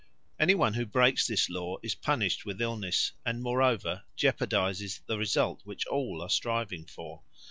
Any one who breaks this law is punished with illness, and, moreover, jeopardises the result which all are striving for.